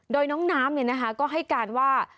โดยน้องน้ำก็ให้การว่า